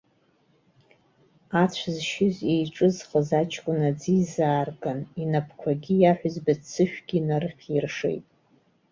Ацә зшьыз, еиҿызхыз аҷкәын аӡы изаарган, инапқәагьы иаҳәызба ццышәгьы инархьиршеит.